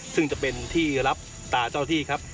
ซึ่งจะเป็นที่รับตาเจ้าที่ครับ